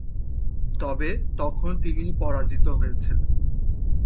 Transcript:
তবে তখন তিনি পরাজিত হয়েছিলেন।